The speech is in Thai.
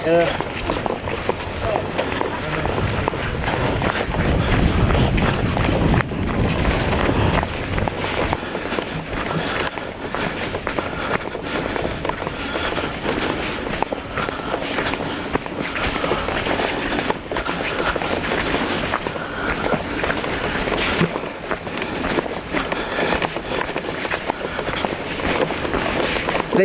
แล้วไปดูกันได้พอ